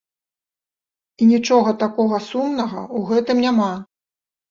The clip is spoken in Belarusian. І нічога такога сумнага ў гэтым няма.